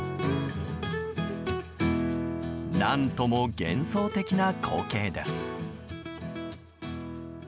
何とも幻想的な光景です。